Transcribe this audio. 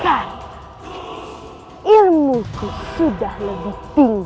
karena ilmuku sudah lebih tinggi dari panggilan